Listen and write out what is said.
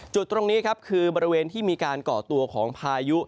จุดตรงนี้ครับคือบริเวณที่มีการก่อตัวของพายุ